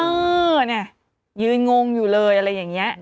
เออเนี่ยยืนงงอยู่เลยอะไรอย่างนี้